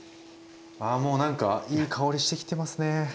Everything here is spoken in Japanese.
ああもう何かいい香りしてきてますね。